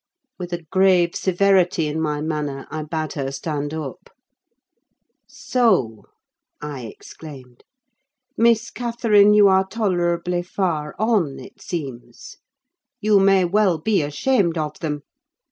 With a grave severity in my manner I bade her stand up. "So," I exclaimed, "Miss Catherine, you are tolerably far on, it seems: you may well be ashamed of them!